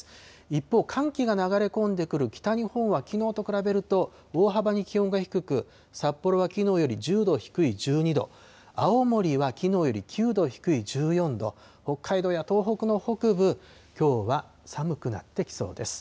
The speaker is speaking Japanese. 一方、寒気が流れ込んでくる北日本はきのうと比べると、大幅に気温が低く、札幌はきのうより１０度低い１２度、青森はきのうより９度低い１４度、北海道や東北の北部、きょうは寒くなってきそうです。